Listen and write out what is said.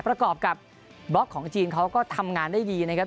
ประกอบกับบล็อกของจีนเขาก็ทำงานได้ดีนะครับ